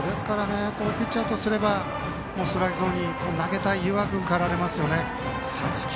ピッチャーとすればストライクゾーンに投げたい誘惑に駆られますよね。